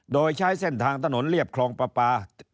โดยใช้เส้นทางตระหนดเรียบคลองประปา